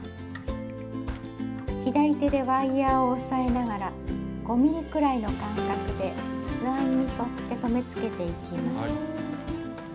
左手でワイヤーを押さえながら５ｍｍくらいの間隔で図案に沿って留めつけていきます。